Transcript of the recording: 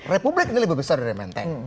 republik ini lebih besar dari menteng